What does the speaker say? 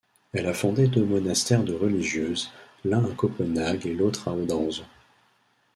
Elle a fondé deux monastères de religieuses, l'un à Copenhague et l'autre à Odense.